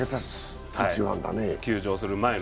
休場する前の。